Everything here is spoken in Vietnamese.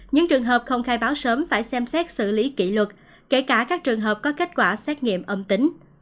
những trường hợp không khai báo sớm phải xem xét xử lý kỷ luật kể cả các trường hợp có kết quả xét nghiệm âm tính